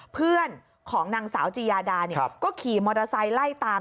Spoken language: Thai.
เพื่อนของนางสาวจียาดาก็ขี่มอเตอร์ไซค์ไล่ตาม